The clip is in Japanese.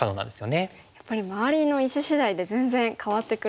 やっぱり周りの石しだいで全然変わってくるんですね。